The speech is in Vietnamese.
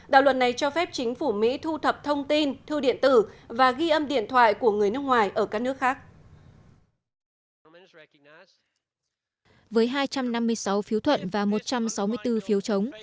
đạo luật này cho phép chính phủ mỹ thu thập thông tin